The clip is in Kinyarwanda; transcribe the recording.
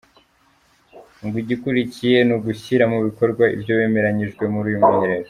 Ngo igikurikiye ni ugushyira mu bikorwa ibyo bimeranyijwe muri uyu mwiherero.